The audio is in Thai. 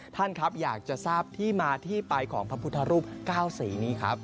ท่านครับอยากจะทราบที่มาที่ไปของพระพุทธรูป๙สีนี้ครับ